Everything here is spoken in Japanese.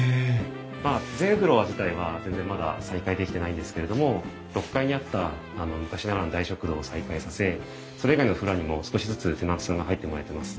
まあ全フロア自体は全然まだ再開できてないんですけれども６階にあった昔ながらの大食堂を再開させそれ以外のフロアにも少しずつテナントさんが入ってもらえてます。